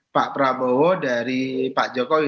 pak prabowo dari pak jokowi